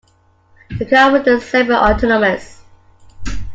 The car was semi-autonomous.